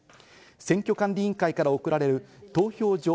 選挙管理委員会から送られる投票所